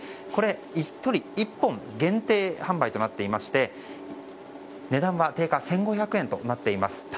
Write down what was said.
１人１本限定販売となっていまして値段は定価１５００円となっています。